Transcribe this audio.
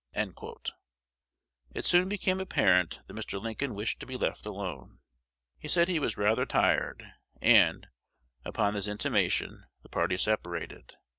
It soon became apparent that Mr. Lincoln wished to be left alone. He said he was "rather tired;" and, upon this intimation, the party separated.